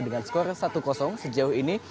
dengan skor satu sejauh ini